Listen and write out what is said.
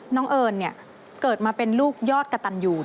น้องเอิญนี่เกิดมาเป็นลูกยอดกระตันยูน